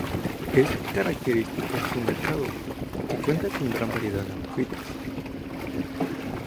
Es característico su mercado, que cuenta con gran variedad de antojitos.